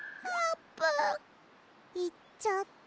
いっちゃった。